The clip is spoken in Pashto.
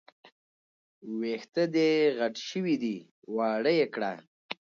وېښته دې غټ شوي دي، واړه يې کړه